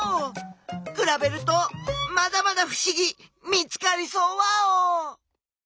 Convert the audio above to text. くらべるとまだまだふしぎ見つかりそうワオ！